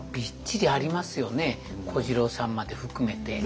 小次郎さんまで含めて。